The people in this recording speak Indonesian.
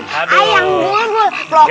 hebat pak siti